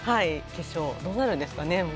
決勝、どうなるんですかね。